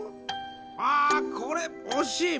あこれおしい！